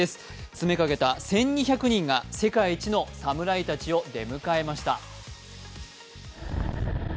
詰めかけた１２００人が世界一の侍たちを出迎えました。